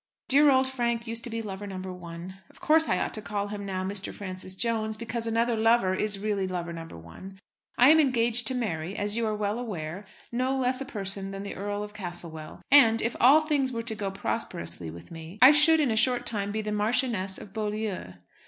Dear old Frank used to be lover number one. Of course I ought to call him now Mr. Francis Jones, because another lover is really lover number one. I am engaged to marry, as you are well aware, no less a person than the Earl of Castlewell; and, if all things were to go prosperously with me, I should in a short time be the Marchioness of Beaulieu.